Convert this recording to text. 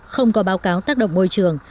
không giấy phép báo tác động môi trường